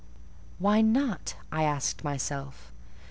"Why not?" I asked myself.